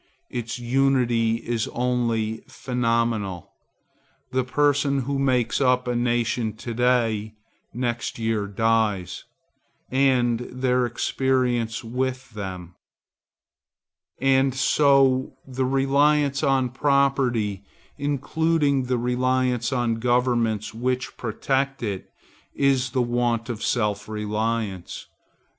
Its unity is only phenomenal. The persons who make up a nation to day, next year die, and their experience with them. And so the reliance on Property, including the reliance on governments which protect it, is the want of self reliance.